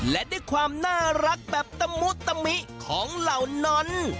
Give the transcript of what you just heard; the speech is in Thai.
และด้วยความน่ารักแบบตะมุตมิของเหล่านั้น